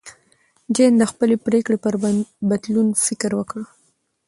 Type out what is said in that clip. جین د خپلې پرېکړې پر بدلون فکر وکړ.